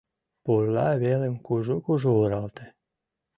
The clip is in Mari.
Пурла велым кужу-кужу оралте.